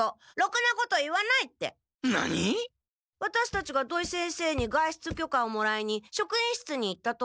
ワタシたちが土井先生に外出許可をもらいにしょくいんしつに行った時。